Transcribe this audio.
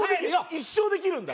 一生できるんだ。